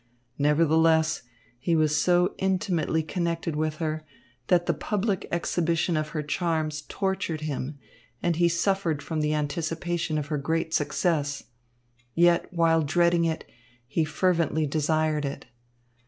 Nevertheless, he was so intimately connected with her, that the public exhibition of her charms tortured him, and he suffered from the anticipation of her great success. Yet while dreading it, he fervently desired it.